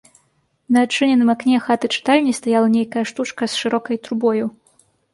На адчыненым акне хаты-чытальні стаяла нейкая штучка з шырокай трубою.